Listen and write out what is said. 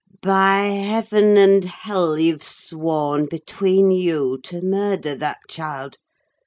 "By heaven and hell, you've sworn between you to murder that child!